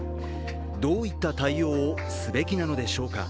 どういった対応をすべきなのでしょうか。